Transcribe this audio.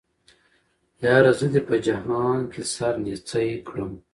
ياره زه دې په جهان کې سره نيڅۍ کړم